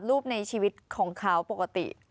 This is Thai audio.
รูปในชีวิตของเขาปกติ